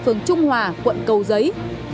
ở văn hòa quận cầu giấy